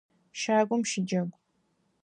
Щагум щыджэгу!